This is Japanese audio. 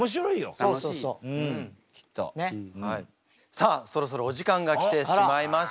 さあそろそろお時間が来てしまいました。